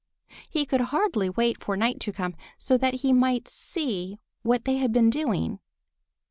He could hardly wait for night to come so that he might see what they had been doing.